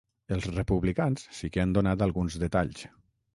Els republicans sí que han donat alguns detalls.